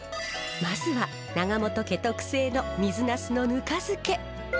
まずは永本家特製の水ナスのぬか漬け。